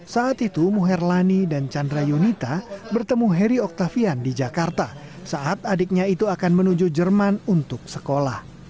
saat itu muherlani dan chandra yunita bertemu heri oktavian di jakarta saat adiknya itu akan menuju jerman untuk sekolah